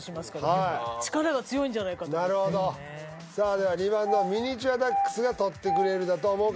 なるほどさあでは２番のミニチュアダックスが取ってくれるだと思う方